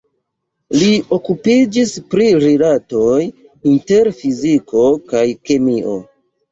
Li okupiĝis pri rilatoj inter fiziko kaj kemio.